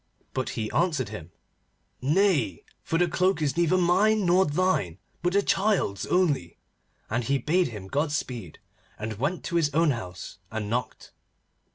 But he answered him: 'Nay, for the cloak is neither mine nor thine, but the child's only,' and he bade him Godspeed, and went to his own house and knocked.